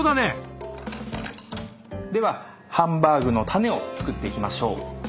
ではハンバーグのタネを作っていきましょう。